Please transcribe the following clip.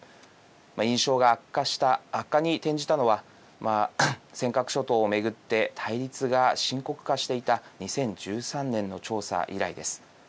印象が悪化に転じたのは尖閣諸島を巡って対立が深刻化していた２０１３年の調査以来です。